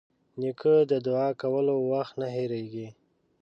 نیکه د دعا کولو وخت نه هېرېږي.